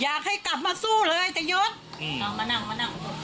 อยากให้กลับมาสู้เลยตะยดเอามานั่งมานั่ง